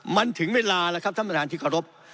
มันถึงเวลาละครับท่านบรรทานที่ขอรับ